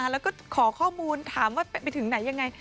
แล้วก็ขอข้อมูลถามว่าไปถึงไหนยังไง